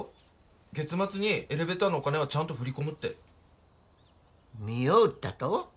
月末にエレベーターのお金はちゃんと振り込むって身を売ったと？